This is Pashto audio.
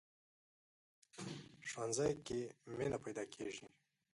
ښوونځی کې مینه پيداکېږي